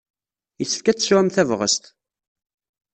Yessefk ad tesɛum tabɣest.